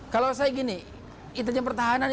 kalau saya gini intelijen pertahanan